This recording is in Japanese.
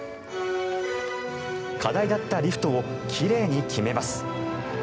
課題だったリフトを奇麗に決めます。